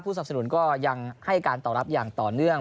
สับสนุนก็ยังให้การตอบรับอย่างต่อเนื่อง